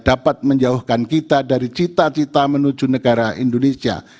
dapat menjauhkan kita dari cita cita menuju negara indonesia